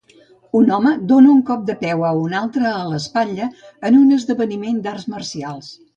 Un home dona un cop de peu a un altre a l'espatlla en un esdeveniment d'arts marcials